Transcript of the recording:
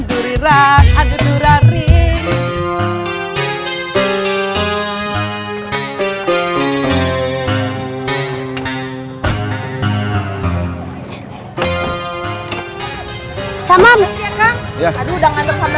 aduh udah ngantuk sampai rumah